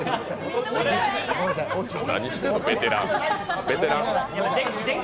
何してんの、ベテラン。